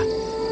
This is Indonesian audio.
baik aku setuju